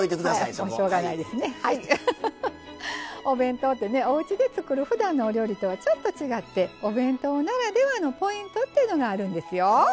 お弁当ってねおうちで作るふだんのお料理とはちょっと違ってお弁当ならではのポイントというのがあるんですよ。